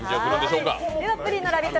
では、プリンのラヴィット！